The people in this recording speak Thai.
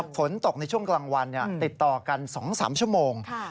ฝนตกในช่วงกลางวันติดต่อกัน๒๓ชั่วโมง